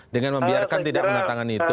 dengan membiarkan tidak menatangani itu